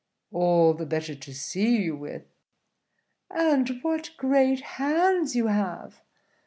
"All the better to see you with." "And what great hands you have!"